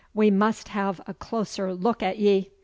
We must have a closer look at ye.